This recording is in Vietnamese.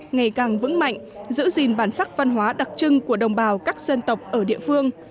ngày càng vững mạnh giữ gìn bản sắc văn hóa đặc trưng của đồng bào các dân tộc ở địa phương